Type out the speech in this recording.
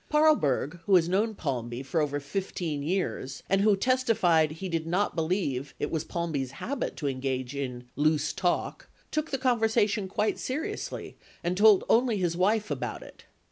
24 Paarlberg, who has known Palmby for over 15 years, and who testified he did not believe it was Palmby 's habit to engaged in "loose talk," took the conversation quite seriously and told only his wife about it.